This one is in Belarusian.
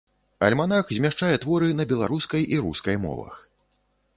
Альманах змяшчае творы на беларускай і рускай мовах.